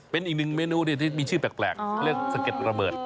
เป็นอีกหนึ่งเมนูที่มีชื่อแปลกเรียกสะเก็ดระเบิด